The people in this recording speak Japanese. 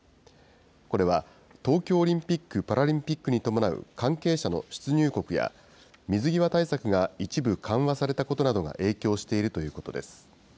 これは、東京オリンピック・パラリンピックに伴う関係者の出入国や、水際対策が一部緩和されたことなどが影響しているということです。